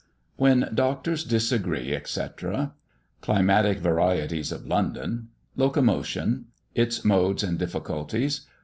WHEN DOCTORS DISAGREE, ETC. CLIMATIC VARIETIES OF LONDON. LOCOMOTION. ITS MODES AND DIFFICULTIES.